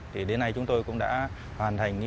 thì đến nay chúng tôi cũng đã hoàn thành